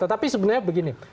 tapi sebenarnya begini